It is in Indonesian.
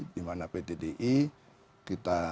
dimana pt di kita